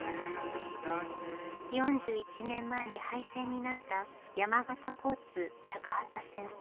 ４１年前に廃線になった山形交通高畠線。